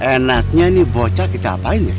kok enaknya nih bocah kita apain ya